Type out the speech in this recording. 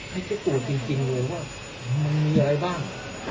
ที่จะกรูจริงเลยว่ามันมีอะไรบ้าง